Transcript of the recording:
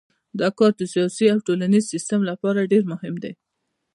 دا کار د سیاسي او ټولنیز سیستم لپاره ډیر مهم دی.